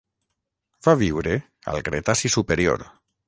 Va viure al Cretaci superior.